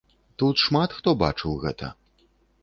Тут шмат хто бачыў гэта.